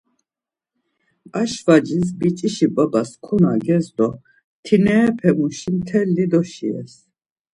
Ar şvacis biç̌işi babas konages do mt̆inerepe muşi mteli doşires.